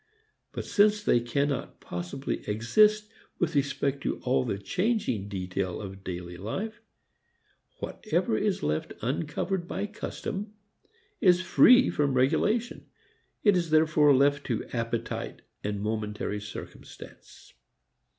But since they cannot possibly exist with respect to all the changing detail of daily life, whatever is left uncovered by custom is free from regulation. It is therefore left to appetite and momentary circumstance.